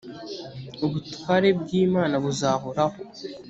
ubutware bw’imana buzahoraho